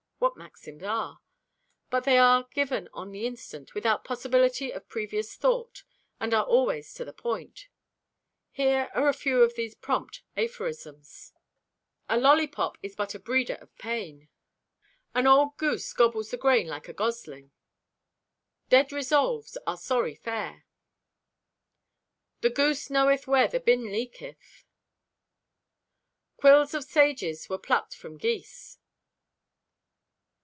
What maxims are? But they are given on the instant, without possibility of previous thought, and are always to the point. Here are a few of these prompt aphorisms: "A lollypop is but a breeder of pain." "An old goose gobbles the grain like a gosling." "Dead resolves are sorry fare." "The goose knoweth where the bin leaketh." "Quills of sages were plucked from geese."